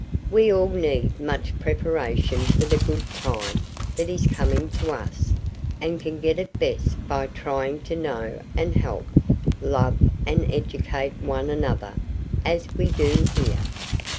We all need much preparation for the good time that is coming to us, and can get it best by trying to know and help, love and educate one another,—as we do here."